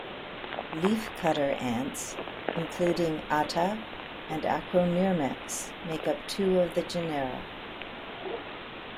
Leafcutter ants, including "Atta" and "Acromyrmex", make up two of the genera.